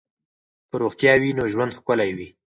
که روغتیا وي نو ژوند ښکلی وي.